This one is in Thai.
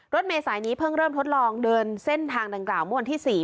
เมษายนนี้เพิ่งเริ่มทดลองเดินเส้นทางดังกล่าวเมื่อวันที่๔